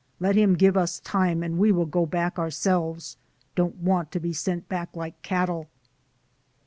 Let him give us time and we will go back ourselves. Don't want to be sent back like cattle."